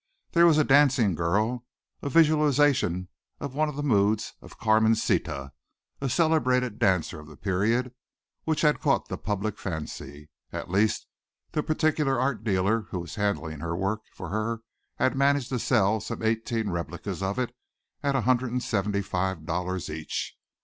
There was a dancing girl, a visualization of one of the moods of Carmencita, a celebrated dancer of the period, which had caught the public fancy at least the particular art dealer who was handling her work for her had managed to sell some eighteen replicas of it at $175 each.